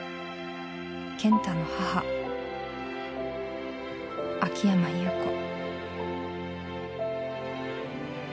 「健太の母秋山侑子」